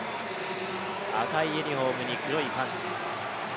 赤いユニフォームに黒いパンツ。